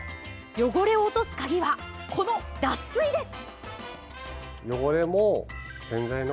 汚れを落とす鍵は、この脱水です。